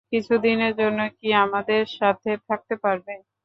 কিছু দিনের জন্য কি আমাদের সাথে থাকতে পারবে?